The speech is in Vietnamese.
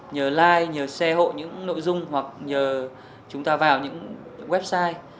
nhờ like nhờ xe hộ những nội dung hoặc nhờ chúng ta vào những website